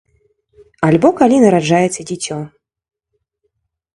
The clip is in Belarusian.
Альбо калі нараджаецца дзіцё.